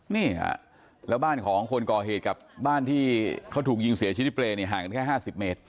นี่แล้วบ้านของคนก่อเหตุกับบ้านที่เขาถูกยิงเสียชีวิตที่เปรย์เนี่ยห่างกันแค่๕๐เมตร